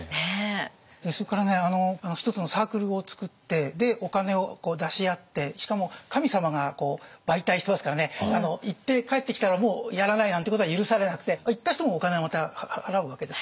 それからね一つのサークルを作ってでお金を出し合ってしかも神様が媒体してますからね行って帰ってきたらもうやらないなんてことは許されなくて行った人もお金はまた払うわけです。